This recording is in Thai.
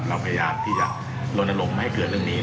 เราพยายามที่จะลนลงไม่ให้เกิดเรื่องนี้